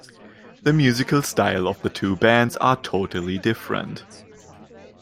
The musical style of the two bands are totally different.